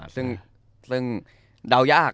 ซึ่งเดายาก